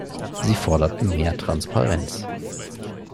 Sie forderten mehr Transparenz.